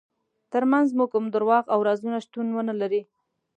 ترمنځ مو کوم دروغ او رازونه شتون ونلري.